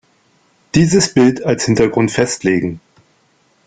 Dieses Bild als Hintergrund festlegen.